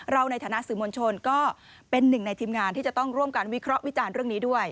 ในฐานะสื่อมวลชนก็เป็นหนึ่งในทีมงานที่จะต้องร่วมกันวิเคราะห์วิจารณ์เรื่องนี้ด้วย